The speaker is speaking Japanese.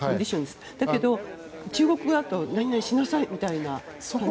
だけど、中国側だと何々しなさい！みたいな？